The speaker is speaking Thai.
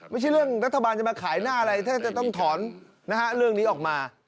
ไม่ใช่เรื่องรัฐบาลจะมาขายหน้าอะไรถ้าจะต้องถอนเรื่องนี้ออกมา